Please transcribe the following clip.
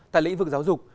tại lĩnh vực giáo dục